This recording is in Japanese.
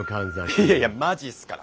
いやいやマジっすから！